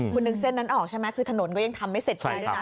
คุณนึกเส้นนั้นออกใช่ไหมคือถนนก็ยังทำไม่เสร็จทีด้วยนะ